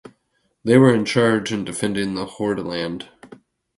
They were in charge in defending the Hordaland.